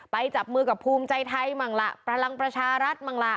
จับมือกับภูมิใจไทยมั่งล่ะพลังประชารัฐมั่งล่ะ